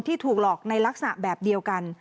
ถูกหลอกในลักษณะแบบเดียวกัน